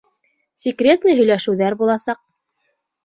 Секретный һөйләшеүҙәр буласаҡ.